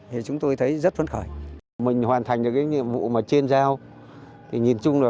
thì chúng tôi thấy rất phấn khởi mình hoàn thành được cái nhiệm vụ mà trên dao thì nhìn chung là